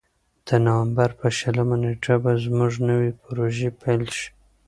د نوامبر په شلمه نېټه به زموږ نوې پروژې پیل شي.